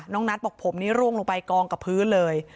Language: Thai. นัทบอกผมนี่ร่วงลงไปกองกับพื้นเลย